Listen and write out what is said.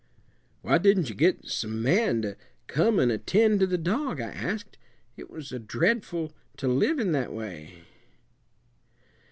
"Why didn't you get some man to come and attend to the dog?" I asked. "It was dreadful to live in that way."